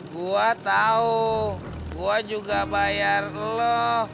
gua tau gua juga bayar lu